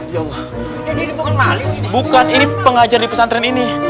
jadi ini bukan maling ini bukan ini pengajar di pesantren ini